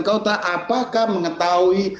kota apakah mengetahui